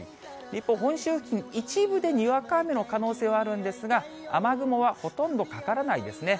一方、本州付近、一部でにわか雨の可能性はあるんですが、雨雲はほとんどかからないですね。